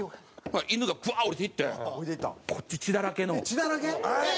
犬がブワーッ下りていってこっち血だらけの。血だらけ！？